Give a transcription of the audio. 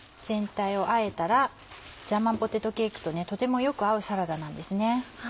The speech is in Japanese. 全体をあえたらジャーマンポテトケーキととてもよく合うサラダなんですね。